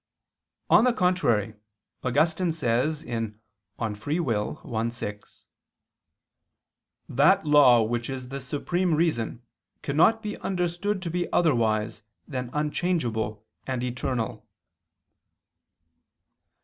On the contrary, Augustine says (De Lib. Arb. i, 6): "That Law which is the Supreme Reason cannot be understood to be otherwise than unchangeable and eternal."